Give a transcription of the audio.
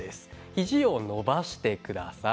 肘を伸ばしてください。